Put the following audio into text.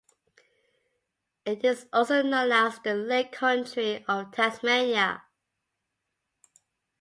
It is also known as "The Lake Country of Tasmania".